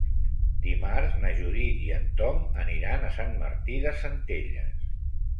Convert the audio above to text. Dimarts na Judit i en Tom aniran a Sant Martí de Centelles.